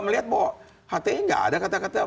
melihat bahwa hati gak ada kata kata